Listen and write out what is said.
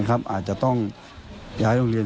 อาจจะต้องย้ายโรงเรียน